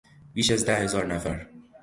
بیش از ده هزار نفر